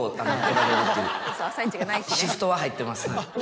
シフトは入ってます。